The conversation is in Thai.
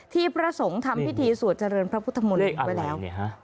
พระสงฆ์ทำพิธีสวดเจริญพระพุทธมนตร์ไว้แล้ว